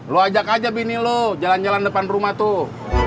lo ajak aja bini lo jalan jalan depan rumah tuh